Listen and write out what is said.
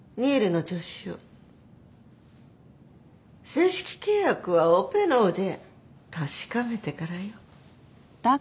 正式契約はオペの腕確かめてからよ。